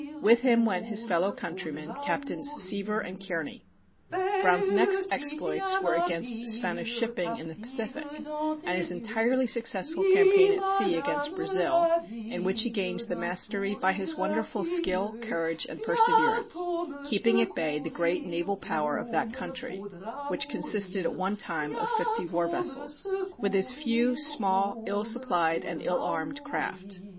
With him went his fellow countrymen, Captains Seaver and Kearney. Brown's next exploits were against Spanish shipping in the Pacific, and his entirely successful campaign at sea against Brazil, in which he gained the mastery by his wonderful skill, courage, and perseverance, keeping at bay the great naval power of that country (which consisted at one time of fifty war vessels) with his few, small, ill supplied, and ill armed craft.